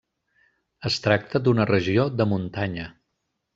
Es tracta d'una regió de muntanya.